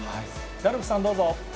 ラルフさん、どうぞ。